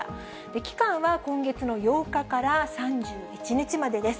期間は今月の８日から３１日までです。